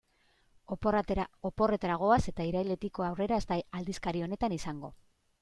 Oporretara goaz eta irailetik aurrera ez da aldizkari honetan izango.